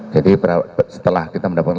jadi setelah kita mendapatkan